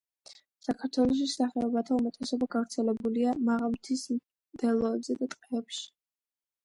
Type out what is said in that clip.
საქართველოში სახეობათა უმეტესობა გავრცელებულია მაღალმთის მდელოებზე და ტყეებში.